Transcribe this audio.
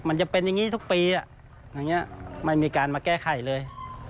มันจะเป็นอย่างนี้ทุกปีอย่างนี้ไม่มีการมาแก้ไขเลย